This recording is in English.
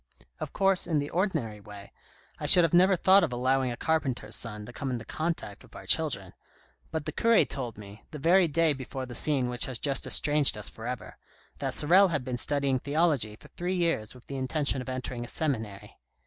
Of course, in the ordinary way, I should have never thought of allowing a carpenter's son to come into contact with our children, but the cure told me, the very day before the scene which has just estranged us for ever, that Sorel has been studying theology for three years with the intention of entering a seminary.